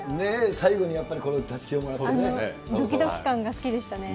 最後にやっぱりたすきをもらどきどき感が好きでしたね。ねぇ。